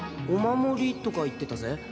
お守りとか言ってたぜ